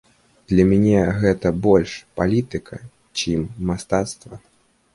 Для мяне гэта больш палітыка, чым мастацтва.